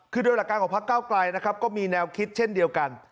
คือด้วยหลักการของภาคเก่ากลายก็มีแนวคิดเช่นเดียวกัน